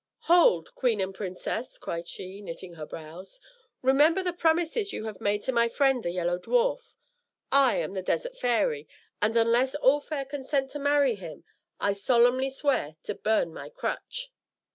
"Hold, queen and princess!" cried she, knitting her brows; "remember the promises you have both made to my friend the Yellow Dwarf. I am the Desert Fairy; and unless All Fair consent to marry him, I solemnly swear to burn my crutch."